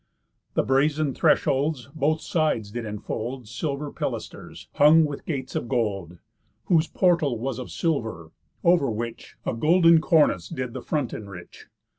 The brazen thresholds both sides did enfold Silver pilasters, hung with gates of gold; Whose portal was of silver; over which A golden cornice did the front enrich.